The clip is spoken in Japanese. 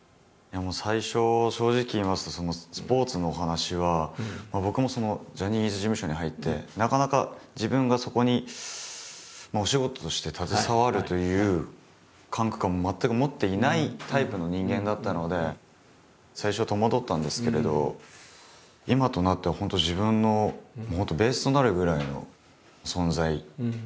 最初正直言いますとスポーツのお話は僕もジャニーズ事務所に入ってなかなか自分がそこにお仕事として携わるという感覚は全く持っていないタイプの人間だったので最初は戸惑ったんですけれど今となっては本当そういう時間なので。